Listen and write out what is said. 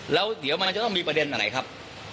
แล้วเดี๋ยวมันจะต้องมีประเด็นอันไหนครับ